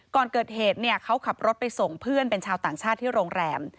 ก่อนเกิดเหตุเขาขับรถไปส่งเพื่อนเป็นชาวต่างชาติที่โรงแรม